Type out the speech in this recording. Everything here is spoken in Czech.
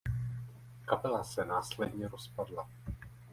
Kapela se následně rozpadla.